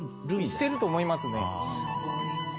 してると思いますね。